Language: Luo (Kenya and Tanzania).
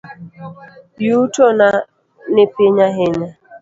Yutona nipiny ahinya.